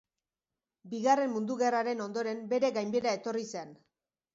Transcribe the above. Bigarren Mundu Gerraren ondoren bere gainbehera etorri zen.